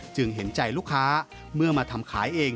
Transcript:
เห็นใจลูกค้าเมื่อมาทำขายเอง